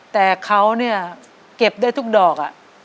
แต่เขาเนี่ยเก็บได้ทุกดอก